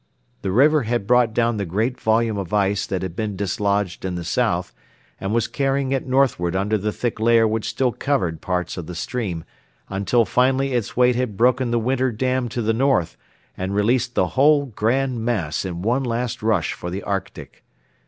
The river had brought down the great volume of ice that had been dislodged in the south and was carrying it northward under the thick layer which still covered parts of the stream until finally its weight had broken the winter dam to the north and released the whole grand mass in one last rush for the Arctic.